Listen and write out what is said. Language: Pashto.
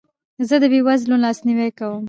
زه د بې وزلو لاسنیوی کوم.